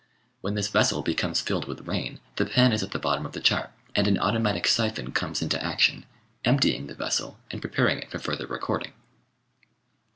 When this vessel becomes filled with rain the pen is at the bottom of the chart, and an automatic syphon comes into action, emptying the vessel and preparing it for further recording.